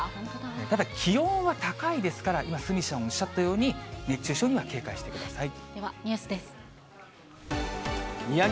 ただ、気温は高いですから、今、鷲見さんおっしゃったように、熱中症には警戒してください。